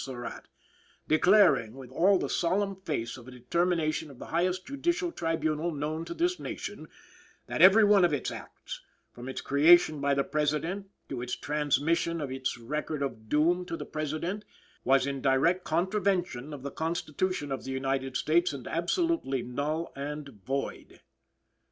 Surratt; declaring, with all the solemn force of a determination of the highest judicial tribunal known to this nation, that every one of its acts, from its creation by the President to its transmission of its record of doom to the President, was in direct contravention of the Constitution of the United States and absolutely null and void.